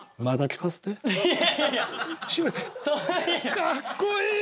かっこいいね！